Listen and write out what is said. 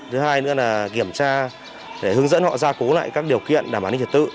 thứ hai nữa là kiểm tra để hướng dẫn họ ra cố lại các điều kiện đảm bảo an ninh trật tự